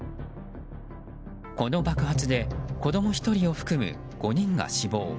この爆発で子供１人を含む５人が死亡。